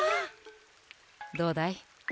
どうだい？